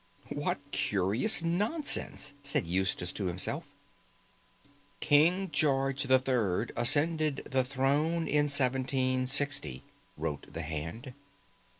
"What curious nonsense!" said Eustace to himself. "King George the Third ascended the throne in 1760," wrote the hand.